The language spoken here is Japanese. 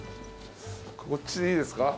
こっちでいいですか？